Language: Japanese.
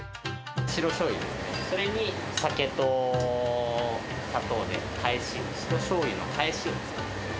白しょうゆ、それに酒と砂糖でかえしを、白しょうゆのかえしを。